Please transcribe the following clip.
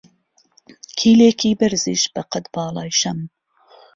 کیلێکی بەرزیش بە قەت باڵای شەم